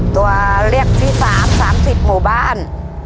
ตัวเลือกที่๓๓๐หมู่บ้าน